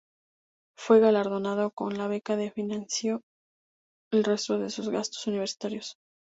Fue galardonado con la beca, que financió el resto de sus gastos universitarios.